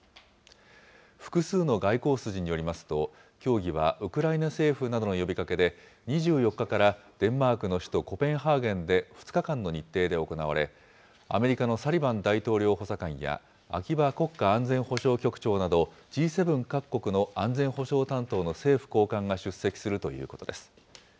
複数の外交筋によりますと、協議はウクライナ政府などの呼びかけで、２４日からデンマークの首都コペンハーゲンで２日間の日程で行われ、アメリカのサリバン大統領補佐官や、秋葉国家安全保障局長など、Ｇ７各国の安全保障担当の政府高官が出席するということです。